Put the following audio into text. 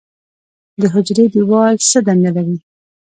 د حجرې دیوال څه دنده لري؟